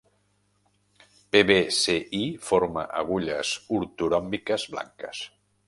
PbCl forma agulles ortoròmbiques blanques.